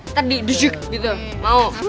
ntar didesek gitu mau